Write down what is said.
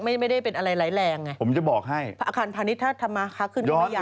ไม่ได้เป็นอะไรไรแรงไงอาคารพนิษฐ์ทำมาคลาดขึ้นของใหญ่ผมจะบอกให้